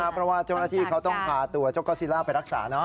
เพราะว่าเจ้าหน้าที่เขาต้องพาตัวเจ้าก๊อซิล่าไปรักษา